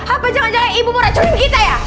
apa jangan jangan ibu mau racun kita ya